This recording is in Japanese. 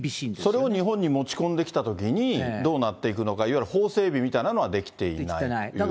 それを日本に持ち込んできたときにどうなっていくのか、いわゆる法整備みたいなのはできていないということですね。